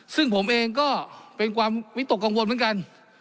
ซึ่งผมเองก็เป็นความวิตกกังวลเหมือนกัน